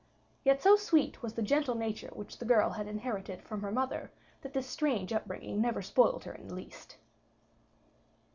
Yet so sweet was the gentle nature which the girl had inherited from her mother, that this strange upbringing never spoiled her in the least.